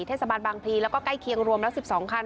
เทศบาลบางพลีแล้วก็ใกล้เคียงรวมแล้ว๑๒คัน